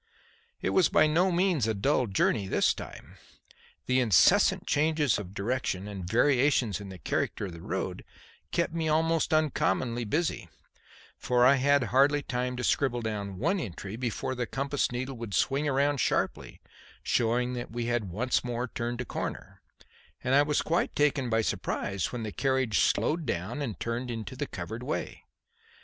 It was by no means a dull journey this time. The incessant changes of direction and variations in the character of the road kept me most uncommonly busy; for I had hardly time to scribble down one entry before the compass needle would swing round sharply, showing that we had once more turned a corner; and I was quite taken by surprise when the carriage slowed down and turned into the covered way.